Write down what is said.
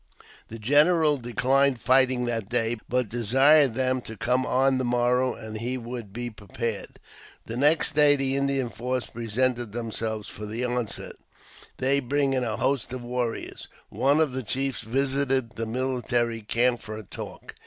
The general declined fighting that day, but desired them to come on the morrow and he would be prepared. The next day the Indian force presented themselves for the onset, they bringing a host of warriors. One of the chiefs visited the military camp for a " talk."